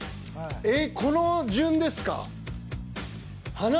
えっこの順ですか？